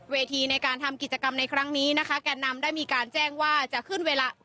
ในการทำกิจกรรมในครั้งนี้นะคะแก่นำได้มีการแจ้งว่าจะขึ้นเวลา